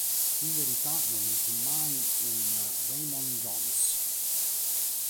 In verità non vi fu mai un Raymond Jones.